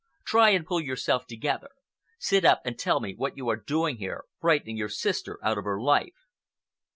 Try and pull yourself together. Sit up and tell me what you are doing here, frightening your sister out of her life."